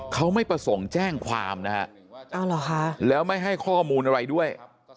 เขาไม่ประสงค์แจ้งความนะฮะแล้วไม่ให้ข้อมูลอะไรด้วย